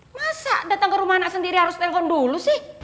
masa datang ke rumah anak sendiri harus telpon dulu sih